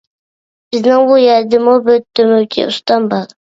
بىزنىڭ بۇ يەردىمۇ بىر تۆمۈرچى ئۇستام بار.